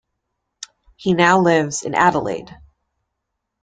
He now lives in Adelaide.